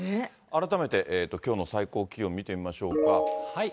改めてきょうの最高気温、見てみましょうか。